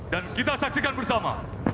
dan kita saksikan bersama